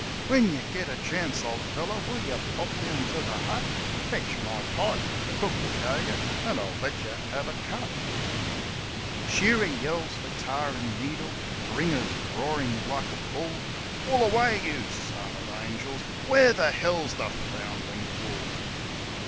( When yer get a chance, old feller, will yer pop down to the hut ? 'Fetch my pipe the cook '11 show yer and I'll let yer have a cut.' Shearer yells for tar and needle. Ringer's roaring like a bull : 1 Wool away, you (son of angels). Where the hell's the (foundling) WOOL